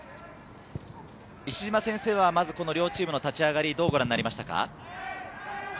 石島先生は両チームの立ち上がり、どうご覧になりましたか？